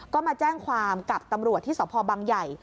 ก็มาแจ้งความกับตำรวจที่สพบังใหญ่